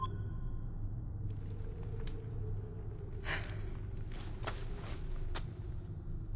ハァ。